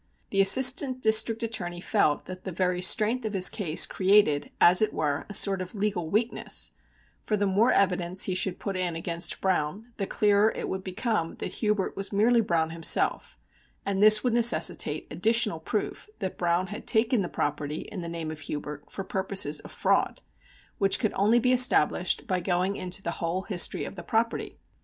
The Assistant District Attorney felt that the very strength of his case created, as it were, a sort of "legal weakness," for the more evidence he should put in against Browne, the clearer it would become that Hubert was merely Browne himself, and this would necessitate additional proof that Browne had taken the property in the name of Hubert for purposes of fraud, which could only be established by going into the whole history of the property.